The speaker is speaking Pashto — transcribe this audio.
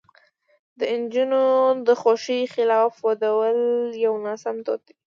د نجونو د خوښې خلاف ودول یو ناسم دود دی.